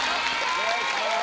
お願いします。